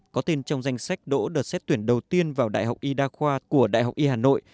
đợt xét tuyển đầu tiên vào đại học y đa khoa của đại học y hà nội